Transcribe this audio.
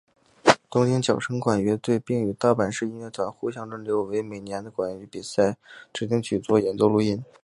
东京佼成管乐团并与大阪市音乐团互相轮流为每年的管乐比赛指定曲做演奏录音。